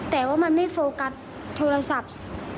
แต่ว่ามันไม่โฟกัสโทรศัพท์